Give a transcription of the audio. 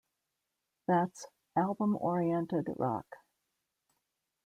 That's Album-Oriented Rock.